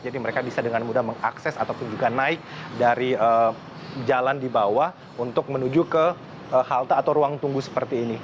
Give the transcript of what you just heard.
jadi mereka bisa dengan mudah mengakses ataupun juga naik dari jalan di bawah untuk menuju ke halte atau ruang tunggu seperti ini